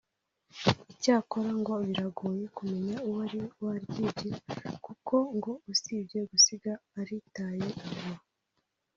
Icyakora ngo biragoye kumenya uwari waryibye kuko ngo usibye gusiga aritaye aho